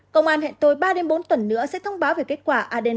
công an hẹn tôi ba bốn tuần nữa sẽ thông báo về kết quả adn